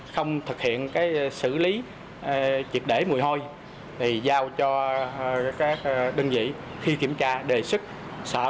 không thực hiện xử lý triệt để mùi hôi thì giao cho các đơn vị khi kiểm tra đề xuất sở